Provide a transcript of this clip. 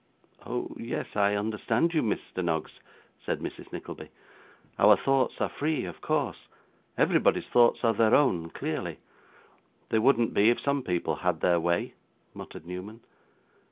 'Oh yes, I understand you, Mr. Noggs,' said Mrs. Nickleby. 'Our thoughts are free, of course. Everybody's thoughts are their own, clearly.' 'They wouldn't be, if some people had their way,' muttered Newman.